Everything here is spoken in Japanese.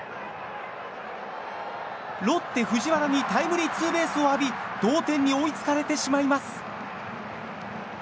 ロッテ、藤原にタイムリーツーベースを浴び同点に追いつかれてしまいます。